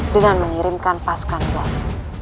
dengan mengirimkan pasukan gali